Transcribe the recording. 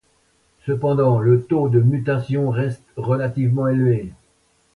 Cependant le taux de mutation reste relativement élevé.